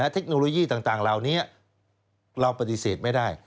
เทคโนโลยีต่างเหล่านี้เราปฏิเสธไม่ได้